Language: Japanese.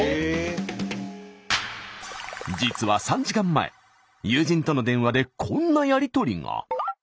実は３時間前友人との電話でこんなやり取りが。